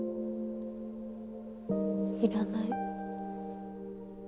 いらない。